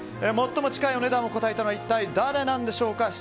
最も近いお値段を答えたのは一体誰なんでしょうか。